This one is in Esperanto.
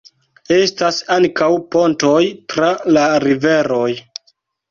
Estas ankaŭ pontoj tra la riveroj.